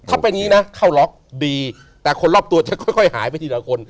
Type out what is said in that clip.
ถ้าเป็นอย่างนี้นะเข้าล็อกดีแต่คนรอบตัวจะค่อยหายไปทีละคน